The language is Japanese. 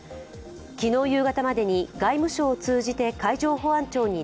昨日夕方までに外務省を通じて海上保安庁に